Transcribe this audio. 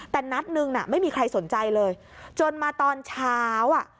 แต่นัดหนึ่งน่ะไม่มีใครสนใจเลยจนมาตอนเช้าอ่ะ